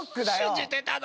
信じてたのに。